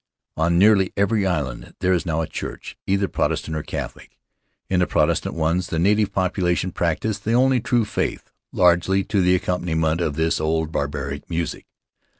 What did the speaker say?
On nearly every island there is now a church, either Protestant or Catholic. In the Protestant ones the native population practice the only true faith, largely to the accompaniment of this old barbaric music.